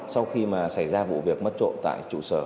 sau khi mà xảy ra vụ việc mất trộm tại trụ sở